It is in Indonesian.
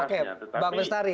oke oke bang mestari